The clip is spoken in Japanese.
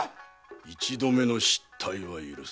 一度目の失態は許す。